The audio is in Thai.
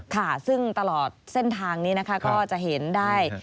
ค่ะซึ่งตลอดเส้นทางนี้นะคะก็จะเห็นได้